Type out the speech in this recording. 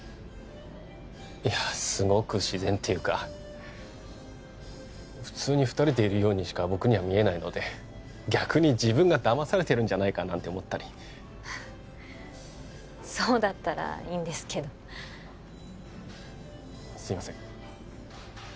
いやすごく自然っていうか普通に二人でいるようにしか僕には見えないので逆に自分がだまされてるんじゃないかなんて思ったりそうだったらいいんですけどすいません